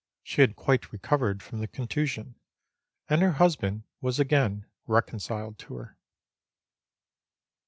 She had quite recovered from the contusion, and her hus band was again reconciled to her.